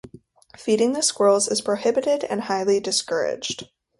Feeding the squirrels is prohibited and highly discouraged.